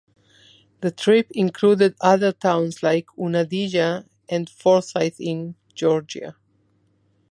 The trip included other towns like Unadilla and Forsyth in Georgia.